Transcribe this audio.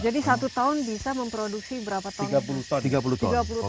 jadi satu tahun bisa memproduksi berapa ton